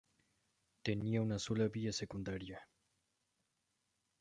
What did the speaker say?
Tenía una sola vía secundaria.